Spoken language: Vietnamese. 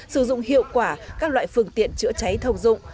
sử dụng hiệu quả các loại phương tiện chữa cháy thông dụng